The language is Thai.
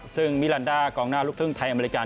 ซึ่งมิลันดากองหน้าลูกครึ่งไทยอเมริกา